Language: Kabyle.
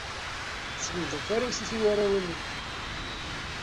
Teslemded tarusit i warraw-inek.